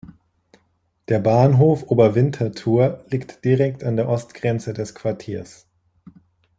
Der Bahnhof Oberwinterthur liegt direkt an der Ostgrenze des Quartiers.